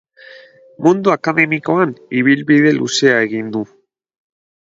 Mundu akademikoan ibilbide luzea egin du.